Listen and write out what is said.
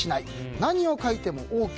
何を書いてもＯＫ。